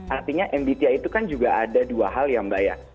artinya mbti itu kan juga ada dua hal ya mbak ya